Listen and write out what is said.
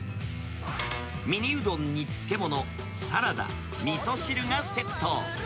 ミニうどんに漬物、サラダ、みそ汁がセット。